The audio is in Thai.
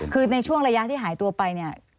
คืองระยะที่หายตัวไป